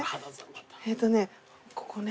えっとねここね。